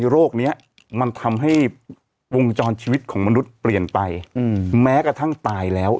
โรคนี้มันทำให้วงจรชีวิตของมนุษย์เปลี่ยนไปแม้กระทั่งตายแล้ว